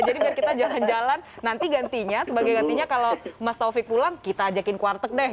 jadi biar kita jalan jalan nanti gantinya sebagai gantinya kalau mas taufik pulang kita ajakin ke warteg deh